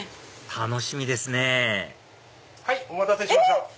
楽しみですねお待たせしました。